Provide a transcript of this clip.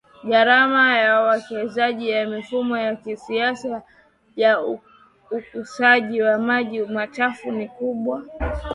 Gharama ya uwekezaji ya mifumo ya kisasa ya ukusanyaji wa maji machafu ni kubwa